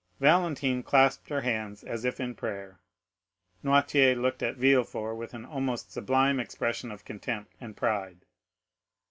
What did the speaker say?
Valentine clasped her hands as if in prayer. Noirtier looked at Villefort with an almost sublime expression of contempt and pride.